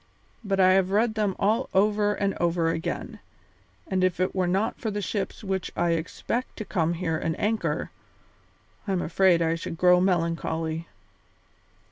But I have read them all over and over again, and if it were not for the ships which I expect to come here and anchor, I am afraid I should grow melancholy."